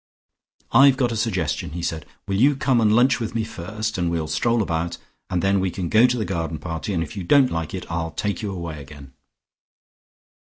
"I've got a suggestion," he said. "Will you come and lunch with me first, and we'll stroll about, and then we can go to the garden party, and if you don't like it I'll take you away again?"